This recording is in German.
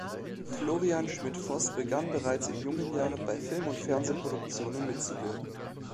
Florian Schmidt-Foß begann bereits in jungen Jahren bei Film- und Fernsehproduktionen mitzuwirken.